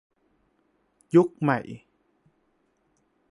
ยุคใหม่